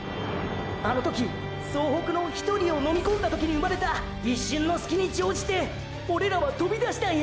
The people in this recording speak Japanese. あの時総北の１人を飲み込んだ時に生まれた一瞬の隙に乗じてオレらはとびだしたんや。